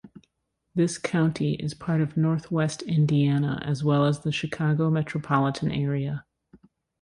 This county is part of Northwest Indiana as well as the Chicago metropolitan area.